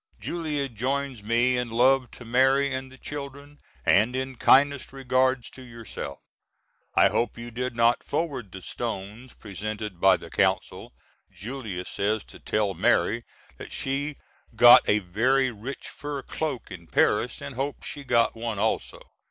Julia joins me in love to Mary and the children and in kindest regards to yourself. I hope you did not forward the stones presented by the Consul. Julia says to tell Mary that she got a very rich fur cloak in Paris and hopes she got one also.